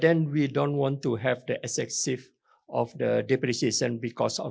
tapi kita tidak ingin memiliki depresi yang ekseksif